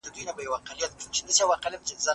زه به سبا کتابونه وړم؟